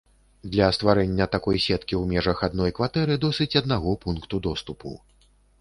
Для стварэння такой сеткі ў межах адной кватэры досыць аднаго пункту доступу.